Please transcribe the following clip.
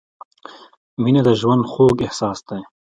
• مینه د ژوند خوږ احساس دی.